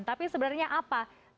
tapi sebenarnya apa